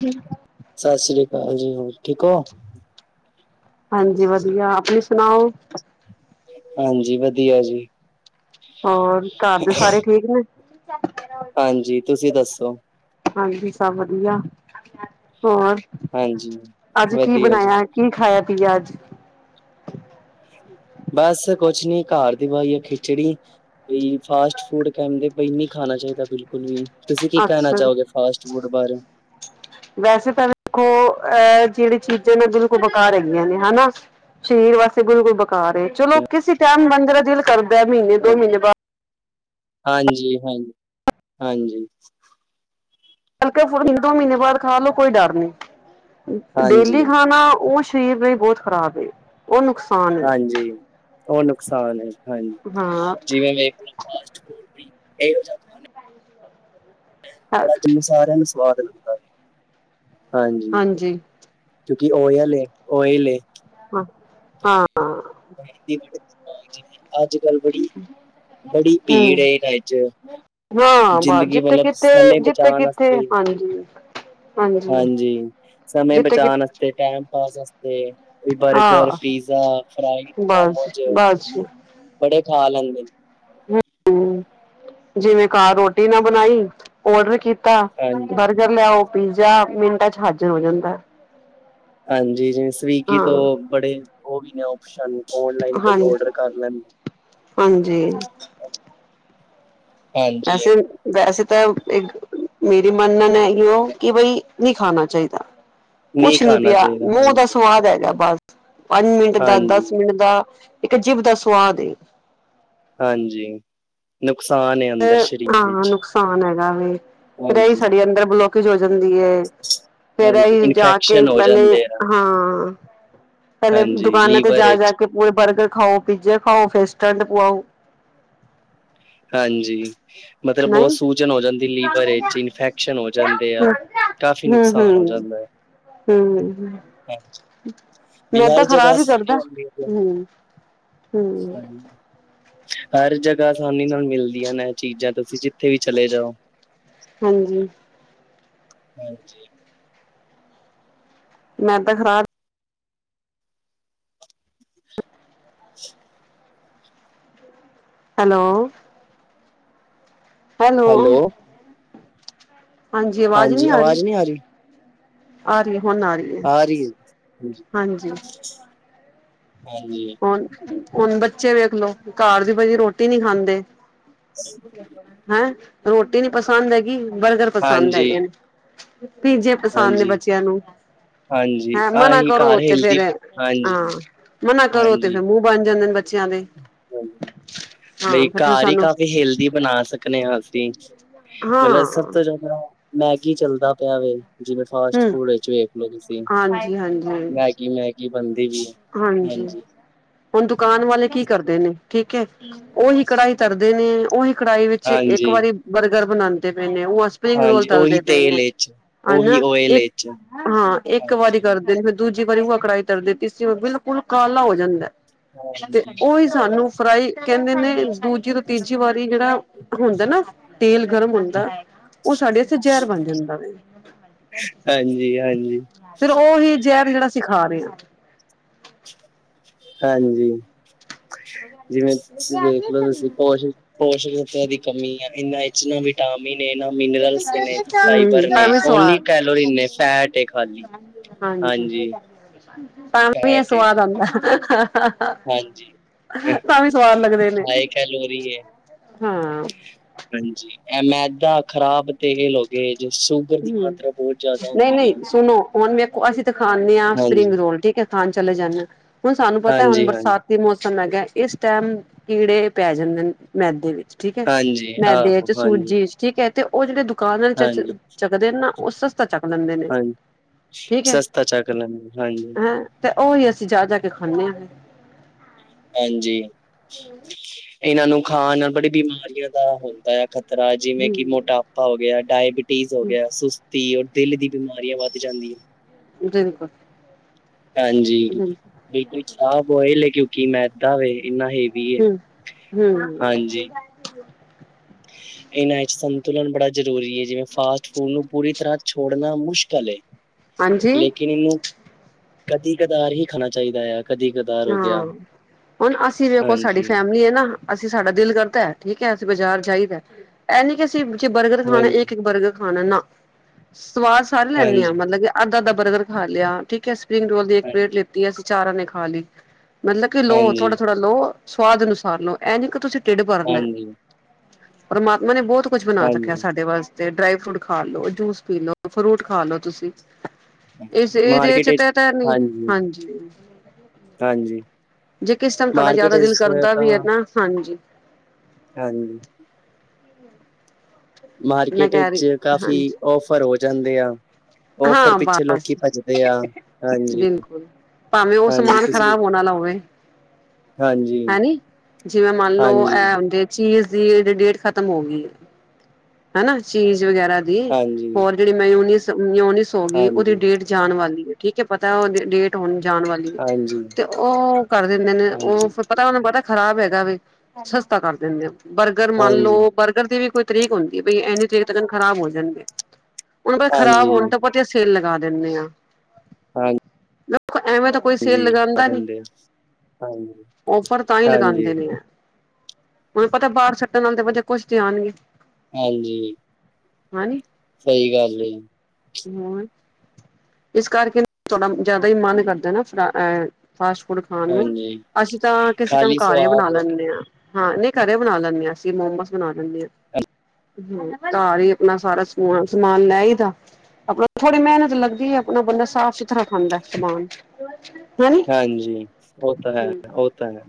ਠੀਕ ਹੈ, ਸਤਿ ਸ੍ਰੀ ਅਕਾਲ ਜੀ, ਹੋਰ ਠੀਕ ਹੋ? ਹਾਂਜੀ ਵਧੀਆ, ਆਪਣੀ ਸੁਣਾਓ? ਹਾਂਜੀ ਵਧੀਆ ਜੀ, ਹੋਰ ਘਰ ਦੇ ਸਾਰੇ ਠੀਕ ਨੇ? ਹਾਂਜੀ, ਤੁਸੀਂ ਦੱਸੋ? ਹਾਂਜੀ ਸਭ ਵਧੀਆ, ਹੋਰ? ਹਾਂਜੀ ਅੱਜ ਕੀ ਵਧੀਆ ਜੀ, ਬਣਾਇਆ ਕੀ, ਖਾਇਆ ਪੀਆ ਅੱਜ? ਬਸ ਕੁਛ ਨੀ ਘਰ ਦੀ ਵਾਈ ਆ ਖਿਚੜੀ, ਬਈ ਫਾਸਟ ਫੂਡ ਕਹਿੰਦੇ, ਬਈ ਨਹੀਂ ਖਾਣਾ ਚਾਹੀਦਾ, ਬਿਲਕੁਲ ਵੀ ਤੁਸੀਂ ਕੀ ਕਹਿਣਾ ਅੱਛਾ ਚਾਹੋਗੇ ਫਾਸਟ ਫੂਡ ਬਾਰੇ? ਵੈਸੇ ਤਾਂ ਦੇਖੋ ਅਹ ਜਿਹੜੇ ਚੀਜ਼ਾਂ ਨੇ ਬਿਲਕੁਲ ਬਕ ਹੈਗੀਆਂ, ਨੇ ਹਨਾ, ਸਰੀਰ ਵਾਸਤੇ ਬਿਲਕੁਲ ਬੇਕਾਰ ਏ ਚਲੋ, ਕਿਸੇ ਟਾਈਮ ਬੰਦੇ ਦਾ ਦਿਲ ਕਰਦੈ ਮਹੀਨੇ ਦੋ ਮਹੀਨੇ ਬਾਅਦ। ਹਾਂਜੀ, ਹਾਂਜੀ, ਹਾਂਜੀ। ਹਲਕੇ ਫੇਰ ਦੋ ਮਹੀਨੇ ਬਾਅਦ ਖਾ ਲੋ ਕੋਈ ਡਰ ਨੀ ਡੇਲੀ ਹਾਂਜੀ, ਖਾਣਾ ਉਹ ਸਰੀਰ ਲਈ ਬਹੁਤ ਖ਼ਰਾਬ ਏ, ਉਹ ਨੁਕਸਾਨ ਏ ਹਾਂਜੀ ਉਹ ਨੁਕਸਾਨ ਹੈ, ਹਾਂਜੀ ਹਾਂ ਜਿਵੇਂ ਵੇਖ। ਫਾਸਟ ਫੂਡ ਵੀ ਇਹੋ ਜਾ ਖਾਣਾ। ਬੜਾ ਹਾਂਜੀ, ਜਿਹਨੂੰ ਸਾਰਿਆਂ ਨੂੰ ਸਵਾਦ ਲ ਹਾਂਜੀ, ਜੀ, ਕਿਉਂਕਿ ਓਇਲ ਓਇਲ, ਹਾਂ, ਹਾਂ ਅੱਜ-ਕੱਲ੍ਹ ਬੜੀ, ਬੜੀ ਭੀੜ ਹੂੰ ਇਹਨਾਂ ਚ, ਹਾਂ ਬਸ ਜ਼ਿੰਦਗੀ ਜਿੱਥੇ ਮਤਲਬ ਕਿੱਥੇ ਸਮੇਂ ਜਿੱਥੇ ਬਚਾਣ ਕਿੱਥੇ ਵਾਸਤੇ, ਹਾਂਜੀ ਹਾਂਜੀ ਸਮੇ ਜਿੱਥੇ ਕਿ ਬਚਾਣ ਵਾਤੇ ਟੈਮ ਪਾਸ ਵਾਸਤੇ ਕੋਈ ਵਰਕ, ਘਰ ਹਾਂ ਪੀਜ਼ਾ ਫਰਾਈ, ਬਸ ਮੋਮੋਜ਼ ਬਸ ਬੜੇ ਖਾ ਲੈਂਦੇ ਨੇ। ਜਿਵੇਂ ਘਰ ਰੋਟੀ ਨਾ ਬਣਾਈ ਔਡਰ ਕੀਤਾ। ਹਾਂਜੀ ਜਫੇ ਲਿਆਓ ਪੀਜ਼ਾ ਮਿੰਟਾਂ ਚ ਹਾਜ਼ਰ ਹੋ ਜਾਂਦਾ। ਹਾਂਜੀ ਜਿਵੇਂ ਸਵੀਗੀ, ਹਾਂ ਤੋਂ ਬੜੇ ਉਹ ਵੀ ਨੇ ਓਪਸ਼ਨ ਔਨਲਾਈਨ ਕਈ ਹਾਂਜੀ ਓਡਰ ਕਰ ਲੈਂਦੇ। ਹਾਂਜੀ, ਹਾਂਜੀ ਅਸੀਂ, ਵੈਸੇ ਤਾਂ ਮੇਰੀ ਮੰਨਣ ਹੈਓ ਕਿ ਬਈ ਨਹੀਂ ਖਾਣਾ ਚਾਹੀਦਾ ਨਹੀਂ ਕੁਛ ਨੀ ਖਾਣਾ ਪਿਆ ਚਾਹੀਦਾ ਮੂੰਹ ਦੱਸ ਹਾਂਜੀ ਸਵਾਦ ਹੈਗਾ ਬਸ, ਪੰਜ ਮਿੰਟ ਦਾ, ਹਾਂਜੀ ਦਸ ਮਿੰਟ ਦਾ ਇੱਕ ਜੀਬ ਦਾ ਸੁਵਾਦ ਹਾਂਜੀ, ਨੁਕਸਾਨ ਏ, ਹਾਂ ਨੁਕਸਾਨ ਹੈਗਾ, ਵੀ ਫੇਰ ਇਹੀ ਹਾਂਜੀ ਸਾਡੀ ਅੰਦਰ ਬਲੋ। ਕਜ ਹੋ ਜਾਂਦੀ ਹੈ, ਫੇਰ ਹਾਂਜੀ ਅਸੀਂ ਜਾ ਕੇ ਇਨਫੈਕਸ਼ਨ ਹੋ ਪਹਿਲੇ ਜਾਂਦੇ ਆ ਹਾਂ। ਪਹਿਲੇ ਹਾਂਜੀ, ਦੁਕਾਨਾਂ ਤੇ ਲੀਵਰ ਜਾ ਜਾ ਵਿੱਚ ਕੇ ਪੂਰੇ ਬਰਗਰ ਖਾਓ, ਪੀਜੇ ਖਾਓ ਸਟੈਂਡ ਪਵਾਓ। ਹਾਂਜੀ, ਮਤਲਬ ਨਹੀਂ ਬਹੁਤ ਸੂਜਨ ਹੋ ਜਾਂਦੀ, ਲੀਵਰ ਵਿੱਚ ਇਨਫੈਕਸ਼ਨ ਹੋ ਜਾਂਦੇ ਆ ਕਾਫ਼ੀ ਹੂੰ ਨੁਕਸਾਨ ਹੋ ਹੂੰ ਜਾਂਦਾ ਹੈ। ਹੂੰ, ਅ ਮੈਦਾ ਬਿਹਾਰ ਜਗਾ ਖ਼ਰਾਬ ਹੀ ਸਾਨ ਕਰਦਾ ਹੂੰ ਹੂੰ ਸਹੀ ਹਰ ਜਗ੍ਹਾ ਆਸਾਨੀ ਨਾਲ ਮਿਲਦੀਆਂ ਨੇ ਇਹ ਚੀਜ਼ਾਂ ਤੁਸੀਂ ਜਿੱਥੇ ਵੀ ਚਲੇ ਜਾਓ। ਹਾਂਜੀ ਹਾਂਜੀ ਮੈਂਦ ਖਰਾਬ ਹੈਲੋ ਹੈਲੋ ਹਾਂਜੀ ਆਵਾਜ਼ ਨਹੀ ਆ ਰਹੀ, ਆ ਰਹੀ ਹੁਣ ਆ ਰਹੀ ਹੈ ਆ ਰਹੀ ਹੈ, ਹ ਹਾਂਜੀ ਹਾਂਜੀ ਹੁਣ ਬੱਚੇ ਵੇਖਲੋ ਘਰ ਦੀ ਬਣੀ ਰੋਟੀ ਨੀ ਖਾਂਦੇ। ਹੈਂ ਰੋਟੀ ਨੀ ਪਸੰਦ ਹੈਗੀ ਬਰਗਰ ਪਸੰਦ ਹਾਂਜੀ, ਹੈਗੇ ਨੇ। ਪੀਜੇ ਪਸੰਦ ਨੇ ਹਾਂਜੀ, ਬੱਚਿਆਂ ਨੂੰ। ਹਾਂਜੀ ਹੈਂ ਮਨਾ ਆਹੀ ਕਰੋ ਘਰ ਤੇ ਹਿਲਦੀ ਫੇਰ ਹਾਂਜੀ, ਹਾਂ ਮਨਾ ਕਰੋ ਤੇ ਫਿਰ ਮੂੰਹ ਬਣ ਜਾਂਦੇ ਨੇ ਬੱਚਿਆਂ ਦੇ ਹ ਬਈ ਹਾਂ ਫਿਰ ਘਰ ਹੀ ਸਾਨੂੰ ਕਾਫ਼ੀ ਹੈਲਦੀ ਬਣਾ ਸਕਦੇ ਹਾਂ ਅਸੀਂ ਹਾਂ ਮਤਲਬ ਸਭ ਤੋਂ ਜਿਆਦਾ ਮੈਗੀ ਚੱਲਦਾ ਪਿਆ ਵ ਜਿਵੇਂ ਹੂੰ ਫਾਸਟ ਫੂਡ ਵਿੱਚ ਵੇਖਲੋ ਤੁਸੀਂ ਹਾਂਜੀ-ਹਾਂਜੀ, ਹਾਂਜੀ। ਮ ਕਿ ਮੈਂ ਕੀ ਬੰਦੀ ਵੀ ਹ ਹਾਂਜੀ ਹੁਣ ਦੁਕਾਨ ਵਾਲੇ ਕੀ ਕਰਦੇ ਨੇ ਠੀਕ ਹੈ ਉਹੀ ਕਢਾਈ ਤਰਦੇ ਨੇ ਉਹੀ ਕੜਾਹੀ ਵਿੱਚ ਇੱਕ ਹਾਂਜੀ ਵਾਰੀ ਬਰਗਰ ਬਣਾਉਂਦੇ ਪਏ ਨੇ, ਉਹ ਸਪਰਿੰਗ ਰੋਲ ਹਾਂਜੀ ਉਹੀ ਤਲਦੇ ਪਏ ਤੇਲ ਨੇ ਵਿੱਚ ਉਹੀ ਹਾਂਜੀ ਓਇਲ ਇੱਕ ਵਿੱਚ ਹਾਂ ਇੱਕ ਵਾਰੀ ਹਾਂਜੀ ਕਰ ਦੂਜੀ ਵਾਰੀ ਉਹ ਕੜਾਈ ਤਰਦੇ ਤੀਸਰੀ ਵਾਰ ਬਿਲਕੁਲ ਕਾਲਾ ਹੋ ਜਾਂਦਾ ਤੇ ਹਾਂਜੀ ਉਹੀ ਹਾਂ ਸਾਨੂੰ ਫਰਾਈ ਕਹਿੰਦੇ ਨੇ ਦੂਜੀ ਤੋਂ ਤੀਜੀ ਵਾਰੀ ਜਿਹੜਾ ਹੁੰਦਾ ਨਾ ਤੇਲ ਗਰਮ ਹੁੰਦਾ ਉਹ ਸਾਡੇ ਜ਼ਹਿਰ ਬਣ ਜਾਂਦਾ ਵੇ ਹਾਂਜੀ- ਹਾਂਜੀ ਫਿਰ ਉਹੀ ਜ਼ਹਿਰ ਜਿਹੜਾ ਅਸੀਂ ਖਾ ਰਹੇ ਹਾਂ ਹਾਂਜੀ ਜਿਵੇਂ ਵੇਖਲੋ ਤੁਸੀਂ ਪਸ਼ ਪੋਸ਼ਣਤਾ ਦੀ ਕਮੀ ਆ ਇਹਨਾਂ ਇ ਨਾ ਵਿਟਾਮਿਨ ਨਾ ਮਿਨਰਲਸ ਨੇ, ਹਮ ਫਾਈਬਰ ਨੇ ਭਾਵੇਂ ਓਨਲੀ ਸਵਾਦ ਕੈਲੋਰੀਨ ਨੇ ਫੈਟ ਖਾਲੀ ਹਾਂਜੀ, ਤਾਈ ਵੀ ਫੈਟ ਏ ਸਵਾਦ ਆਉਂਦਾ ਹਾਂਜੀ ਤਾਂ ਵੀ ਸਵਾਦ ਲੱਗਦੇ ਨੇ ਹਾਏ ਕੈਲੋਰੀ ਹਾਂ ਹਾਂਜੀ, ਐ ਮੈਦਾ, ਖ਼ਰਾਬ ਤੇਲ ਹੋ ਗਏ ਜਸੂ ਹਮ ਨਹੀਂ -ਨਹੀਂ ਸੁਣੋ ਹੁਣ ਵੇਖੋ ਅਸੀਂ ਤਾਂ ਖਾਂਦੇ ਹਾਂ ਸਪਰਿੰਗ ਹਾਂਜੀ, ਰੋਲ ਠੀਕ ਹੈ ਖਾਣ ਚਲੇ ਜਾਂਦੇ ਹਾਂ ਹੁਣ ਸਾਨੂੰ ਪਤਾ ਹੁਣ ਹਾਂਜੀ, ਹਾਂਜੀ, ਬਰਸਾਤ ਤੇ ਮੌਸਮ ਹੈਗਾ ਇਸ ਟਾਈਮ ਕੀੜੇ ਪੈ ਜਾਂਦੇ ਨੇ ਮੈਦੇ ਵਿੱਚ। ਠੀਕ ਹੈ ਹਾਂਜੀ ਮੈਦੇ ਆਹੋ ਚ ਹਾਂਜੀ, ਸੂਜੀ ਚ ਠੀਕ ਹੈ ਤੇ ਉਹ ਜਿਹੜੇ ਦੁਕਾਨ ਨੇ ਹਾਂਜੀ, ਚ ਚੱਕਦੇ ਨਾ ਉਹ ਸਸਤਾ ਚੱਕ ਲੈਂਦੇ ਨੇ ਹਾਂਜੀ ਠੀਕ ਹੈ। ਸਸਤਾ ਚੱਕ ਲੈਂਦੇ ਹਾਂਜੀ, ਤੇ ਉਹੀ ਅਸੀਂ ਜਾ ਜਾ ਕੇ ਖਾਂਦੇ ਹਾਂ। ਹਾਂਜੀ ਇਹਨਾਂ ਨੂੰ ਖਾਣ ਨਾਲ ਬੜੀ ਬਿਮਾਰੀਆਂ ਦਾ ਹੁੰਦਾ ਆ ਤਰ੍ਹਾਂ ਜਿਵੇਂ ਕਿ ਹਮ ਮੋਟਾਪਾ ਹੋ ਗਿਆ, ਡਾਇਬਿਟੀਜ਼ ਹੋ ਗਿਆ, ਸੁਸ ਧੀ ਔਰ ਦਿਲ ਦੀ ਬਿਮਾਰੀਆਂ ਵੱਧ ਜਾਂਦੀਆਂ। ਬਿਲਕੁਲ ਹਾਂਜੀ, ਬਿਲਕੁਲ ਬਿਲਕੁਲ ਖਰਾਬ ਹੋਏ ਲੇ ਲੇਕਿਨ ਵ ਇੰਨਾ ਹੀ ਹਮ ਹਮ ਇਹਨਾਂ ਸੰਤੁਲਨ ਬੜਾ ਜ਼ਰੂਰੀ ਹੈ ਜਿਵੇਂ ਫਾਸਟ ਫੂਡ ਨੂੰ ਪੂਰੀ ਤਰ੍ਹਾਂ ਛੋੜਨਾ ਮੁਸ਼ਕਿਲ ਹੈ। ਹਾਂਜੀ, ਲੇਕਿਨ ਇਹਨੂੰ, ਕਦੀ ਕਦਾਰ ਹੀ ਖਾਣਾ ਚਾਹੀਦਾ ਆ ਕਦੀ ਕਦਾਰ ਹੋ ਗਿਆ ਹਾਂ, ਹੁਣ ਅਸੀਂ ਵੀ ਕੋਲ ਸਾਡੀ ਹਾਂਜੀ, ਫੈਮਿਲੀ ਹੈ ਨਾ? ਅਸੀਂ ਸਾਡਾ ਦਿਲ ਕਰਦਾ ਠੀਕ ਹੈ ਅਸੀਂ ਬਾਜ਼ਾਰ ਜਾਈਦਾ ਇਹ ਨੀ ਕਿ ਅਸੀਂ ਬਰਗਰ ਖਾਣਾ ਇੱਕ ਹਾਂਜੀ, -ਇੱਕ ਬਰਗਰ ਖਾਣਾ ਨਾ, ਸਵਾਦ ਸਾਰੇ ਲੈਂਦੇ ਆ ਹਾਂਜੀ, ਮਤਲਬ ਕਿ ਅੱਧਾ ਅਧਾ ਬਰਗਰ ਖਾ ਲਿਆ ਠੀਕ ਹੈ ਸਪਰਿੰਗ ਰੋਲ ਦੀ ਇੱਕ ਪਲੇਟ ਹਾਂਜੀ, ਲਿੱਤੀ ਹੈ ਅਸੀਂ ਚਾਰਾਂ ਨੇ ਖਾ ਲਈ, ਮਤਲਬ ਕਿ ਲੋਹ ਹਾਂਜੀ, ਥੋੜਾ ਥੋੜ੍ਹਾ ਲੋ ਸਵਾਦ ਅਨੁਸਾਰ ਲਓ ਇਹ ਨੀ ਕਿ ਤੁਸੀਂ ਢਿੱਡ ਭਰਨਾ। ਹਾਂਜੀ, ਪਰਮਾਤਮਾ ਨੇ ਬਹੁਤ ਕੁਛ ਬਣਾ ਸਕਿਆ ਹਾਂਜੀ, ਸਾਡੇ ਵਾਸ। ਤੇ ਡਰਾਈ ਫਰੂਟ ਖਾ ਲਓ ਜੂਸ ਪੀ ਲਓ ਫਰੂਟ ਖਾ ਲਓ ਤੁਸੀਂ। ਹਾਂਜੀ ਇਸ ਇਹਦੇ ਮਾਰਕੀਟ ਚ ਵਿੱਚ ਤਾਂ-ਤਾਂ ਨੀ ਹਾਂਜੀ। ਹਾਂਜੀ। ਜੇ ਕਿਸ ਟਾਈਮ ਤੁਹਾਡਾ ਮਾਰਕੀਟ ਜ਼ਿਆਦਾ ਦਿਲ ਵਿੱਚ ਕਰਦਾ ਤਾਂ ਵੀ ਹੈ ਨਾ ਹਾਂਜੀ। ਹਾਂਜੀ। ਮੈਂ ਮਾਰਕੀਟ ਕਹਿ ਰਹੀ ਵਿੱਚ ਕਾਫੀ ਹਾਂਜੀ ਔਫਰ ਹੋ ਜਾਂਦੇ ਆ। ਔਫਰ ਹਾਂ। ਪਿੱਛੇ ਬਸ, ਲੋਕੀ ਭੱਜਦੇ ਆ ਹਾਂਜੀ, ਬਿਲਕੁਲ। ਭਾਵੇਂ ਉਹ ਹਾਂਜੀ ਸਮਾਨ ਤੁਸੀਂ ਖ਼ਰਾਬ ਹੋਣਾ ਵਾਲਾ ਹੋਵੇ। ਹਾਂਜੀ, ਹੈਨੀ। ਜਿਵੇਂ ਮੰਨ ਲਓ, ਹਾਂਜੀ, ਇਹ ਹਦੇ ਚੀਜ਼ ਦੀ ਡੇਟ ਖਤਮ ਹੋ ਗਈ ਹੈ। ਹਨਾ। ਚੀਜ਼ ਵਗੈਰਾ ਦੀ, ਹਾਂਜੀ, ਹੋਰ ਜਿਹੜੀ ਮਿਓਨਿਸ ਹੋ ਗਈ ਉਹਦੀ ਹਾਂਜੀ, ਡੇਟ ਜਾਣ ਵਾਲੀ ਹੈ ਠੀਕ ਹੈ ਪਤਾ ਉਹ ਡੇਟ ਜਾਣ ਵਾਲੀ ਹਾਂਜੀ। ਤੇ ਉਹ ਕਰ ਦਿੰਦੇ ਨੇ ਉਹ ਹਾਂਜੀ, ਪਤਾ ਉਹਨੂੰ ਪਤਾ ਖ਼ਰਾਬ ਹੈਗਾ ਵੀ ਸਸਤਾ ਕਰ ਦਿੰਦੇ ਆ ਬਰਗਰ ਮੰਨ ਹਾਂਜੀ, ਲਓ ਬਰਗਰ ਦੀ ਵੀ ਕੋਈ ਤਰੀਕ ਹੁੰਦੀ ਪੀ ਇਹਨੇ ਚ ਖਰਾਬ ਹੋ ਜਾਂਦੀ ਹਣ ਖਰਾਬ ਹੋਣ ਹਾਂਜੀ, ਤਾਂ ਤੇ ਸੇਲ ਲਗਾ ਦਿੰਦੇ ਹਾਂ ਹਾਂਜੀ ਲੋਕ ਐਵੇਂ ਤਾਂ ਕੋਈ ਸੇਲ ਆ ਲਗਾਉਂਦਾ ਨੀ। ਦਿੰਦੇ ਆ ਹਾਂਜੀ, ਓਫਰ ਤਾਂ ਹੀ ਹਾਂਜੀ, ਲਗਾਉਂਦੇ ਨੇ ਹੈ ਤੇ ਬਾਹਰ ਛੱਡਣ ਆਉਂਦੇ ਕੁਝ ਤੇ ਆਉਣ ਗੇ ਹਾਂਜੀ। ਹਾਂਜੀ। ਸਹੀ ਗੱਲ ਹੈ। ਹਮ ਇਸ ਕਰਕੇ ਥੋੜ੍ਹਾ ਜ਼ਿਆਦਾ ਹੀ ਮਨ ਕਰਦਾ ਨਾ ਐ। ਫਾਸਟ ਫੂਡ ਖਾਣ ਨੂੰ। ਹਾਂਜੀ ਅਸੀਂ ਤਾਂ ਕਿਸੇ ਟਾਈਮ ਖਾਲੀ ਘਰ ਹੀ ਬਣਾ ਸਵਾਦ ਏ ਲੈਂਦੇ ਹਾਂ। ਹਾਂ। ਨਹੀਂ ਘਰੇ ਬਣਾ ਲੈਂਦੇ ਹਾਂ ਅਸੀਂ ਮੋਮੋਸ ਬਣਾ ਲੈਂਦੇ ਹਾਂ। ਹਮ। ਘਰ ਹੀ ਆਪਣਾ ਸਾਰਾ ਸਮ- ਸਮਾਨ ਲੈ ਹੀ ਦਾ। ਆਪਣਾ ਥੋੜੀ ਮਿਹਨਤ ਲੱਗਦੀ ਹੈ। ਆਪਣਾ ਬੰਦਾ ਸਾਫ਼- ਸੁਥਰਾ ਖਾਂਦਾ ਸਮਾਨ। ਹੈਨੀ ਹਾਂਜੀ। ਉਹ ਤਾਂ ਹੈ। ਉਹ ਤਾਂ ਹੈ,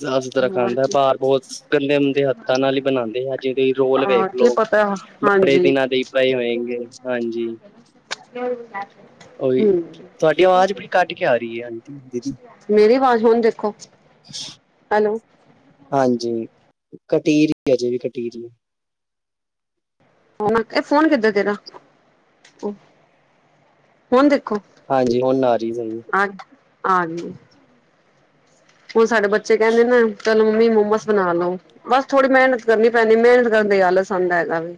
ਸਾਫ਼- ਸੁਥਰਾ ਹੋਰ ਖਾਂਦਾ ਹੈ। ਕੀ ਬਰ ਬਹੁਤ ਗੰਦੇ ਮੰਦੇ ਹੱਥਾਂ ਨਾਲ ਹੀ ਬਣਾਉਂਦੇ ਆ ਜਿ ਤੁਸੀਂ ਰੋਲ ਵੇਖ ਹਾਂ ਕੀ ਲਓ। ਪਤਾ ਬੜੇ ਹਾਂਜੀ ਦਿਨਾਂ ਦੇ ਹੀ ਬੇਏ ਹੋਏਗੇ। ਹਾਂਜੀ। ਹੋ ਤਾਂ ਹੈ। ਓਹੀ ਤੁਹਾਡੀ ਆਵਾਜ਼ ਬੜੀ ਕੱਟ ਕੇ ਆ ਰਹੀ ਹੈ। ਹਾਂਜੀ। ਮੇਰੀ ਆਵਾਜ਼ ਹੁਣ ਦੇਖੋ। ਹੈਲੋ, ਹਾਂਜੀ। ਕਟੀਰੀ ਅਜੇ ਵੀ ਕਟੀਰੀ। ਹ ਇਹ ਫੋਨ ਕਿੱਦਾਂ ਤੇਰਾ। ਹੁਣ ਦੇਖੋ। ਹਾਂਜੀ। ਹੁਣ ਆ ਰਹੀ। ਹ ਹਾਂਜੀ। ਹੁਣ, ਸਾਡੇ ਬੱਚੇ ਕਹਿੰਦੇ ਨਾ ਚਲੋ ਮੰਮੀ ਮੋਮੋਸ ਬਣਾ ਲਓ। ਬਸ ਥੋੜ੍ਹੀ ਮਿਹਨਤ ਕਰਨੀ ਪੈਣੀ ਮਿਹਨਤ ਕਰਨ ਦਾ ਹੀ ਆਲਸ ਹੁੰਦਾ ਹੈਗਾ ਵੀ।